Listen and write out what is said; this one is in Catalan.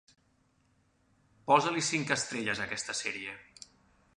Posa-li cinc estrelles a aquesta sèrie.